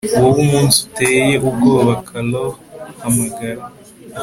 Wowe umunsi uteye ubwoba Callooh Hamagara